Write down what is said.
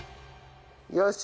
よし。